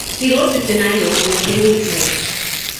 He wrote the scenario in a single night.